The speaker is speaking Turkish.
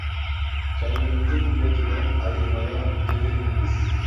Kendimizi bu geceden ayırmaya muktedir miyiz?